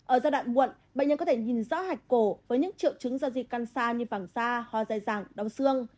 ở giai đoạn muộn bệnh nhân có thể nhìn rõ hạch cổ với những triệu chứng do gì căn xa như vàng da ho dài dàng đong xương